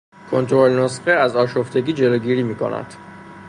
کنترل نسخه از آشفتگی جلوگیری می کند.